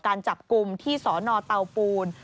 การจับกลุ่มที่สนเตาปูน